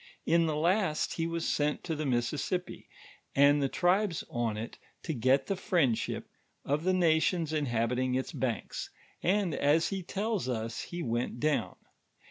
In the lost, he was sent to the Mississip]>i, and the tribes on it to get the friendship of the nations inhabiting its banks, ond as he tells us he went down.